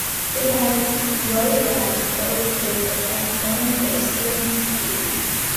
It had low drag, but was stable at only a certain speed.